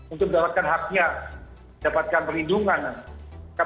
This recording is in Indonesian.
untuk mendapatkan haknya dapatkan perlindungan